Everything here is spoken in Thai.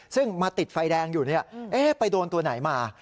ซึ่งมาติดไฟแดงอยู่ไปโดนตัวไหนมา